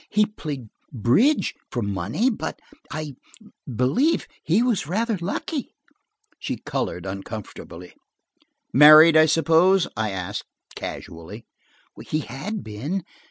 He played bridge for money, but I–believe he was rather lucky." She colored uncomfortably. "Married, I suppose?" I asked casually. "He had been.